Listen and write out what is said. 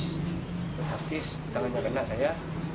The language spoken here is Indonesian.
saya tangkis tangannya kena saya